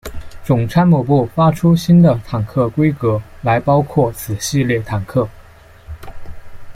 总参谋部发出新的坦克规格来包括此系列坦克。